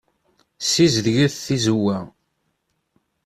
Ssizedget tizewwa.